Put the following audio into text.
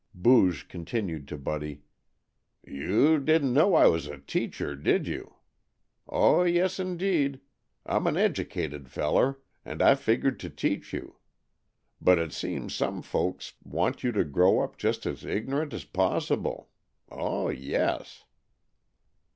Booge continued to Buddy: "You didn't know I was a teacher, did you? Oh, yes, indeed! I'm an educated feller, and I figured to teach you, but it seems some folks want you to grow up just as ignorant as possible. Oh, yes!"